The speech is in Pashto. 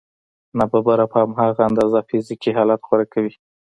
ناببره په هماغه اندازه فزيکي حالت غوره کوي.